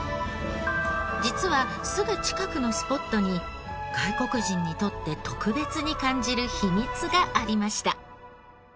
実はすぐ近くのスポットに外国人にとって特別に感じる秘密がありました。